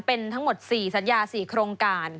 เป็นทั้งหมด๔สัญญา๔โครงการ